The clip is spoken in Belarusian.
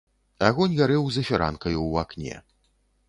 Агонь гарэў за фіранкаю ў акне.